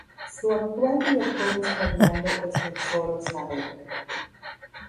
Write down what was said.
Su actual director es Fernando Estenssoro Saavedra.